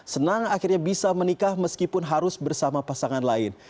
senang akhirnya bisa menikah meskipun harus bersama pasangan lain